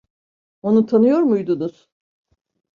Onu tanıyor muydunuz?